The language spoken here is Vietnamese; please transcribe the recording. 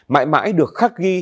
mãi mãi được khắc ghi